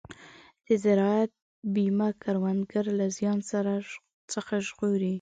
د زراعت بیمه کروندګر له زیان څخه ژغوري.